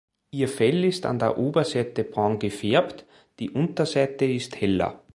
Ihr Fell ist an der Oberseite braun gefärbt, die Unterseite ist heller.